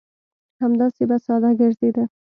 همداسې به ساده ګرځېده.